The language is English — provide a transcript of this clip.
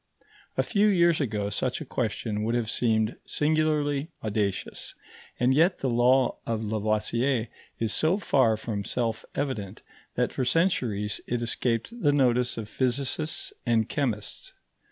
A few years ago such a question would have seemed singularly audacious. And yet the law of Lavoisier is so far from self evident that for centuries it escaped the notice of physicists and chemists.